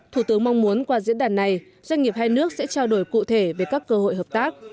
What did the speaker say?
thủ tướng mong muốn qua diễn đàn này doanh nghiệp hai nước sẽ trao đổi cụ thể về các cơ hội hợp tác